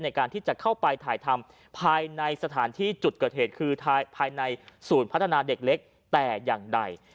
ในการที่จะเข้าไปถ่ายทำภายในสถานที่จุดเกิดเหตุคือภายในศูนย์พัฒนาเด็กเล็กแต่อย่างใด